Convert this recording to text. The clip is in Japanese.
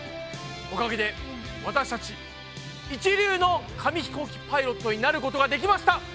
おかげで私たち一流の紙ひこうきパイロットになることができました！